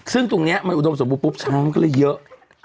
ซึ่งตรงนี้มันอุดมสมบูปุ๊บช้างก็เลยเยอะ